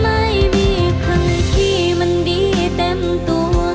ไม่มีใครที่มันดีเต็มตัว